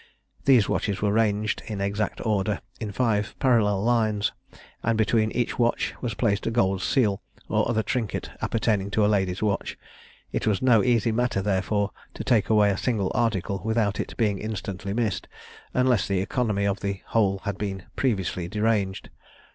These watches were ranged in exact order, in five parallel lines; and between each watch was placed a gold seal or other trinket appertaining to a lady's watch. It was no easy matter, therefore, to take away a single article without its being instantly missed, unless the economy of the whole had been previously deranged.